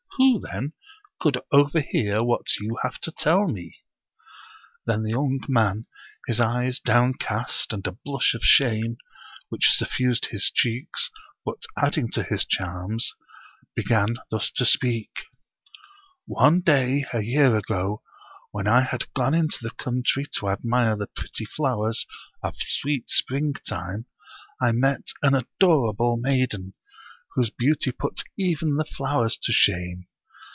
Who, then, could overhear what you have to tell me ?" Then the young man, his eyes downcast, and a blush of shame, which suffused his cheeks, but adding to his charms, began thus to speak: " One day, a year ago, when I had gone into the coun try to admire the pretty flowers of sweet spring time, I met an adorable maiden, whose beauty put even the flowers to shame.